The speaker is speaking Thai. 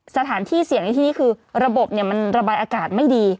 สถานที่เสี่ยงในที่นี่คือระบบมันระบายอากาศไม่ดี